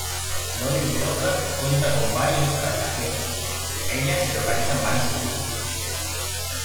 Novi Beograd cuenta con varios rascacielos, y en ella se localizan varias industrias.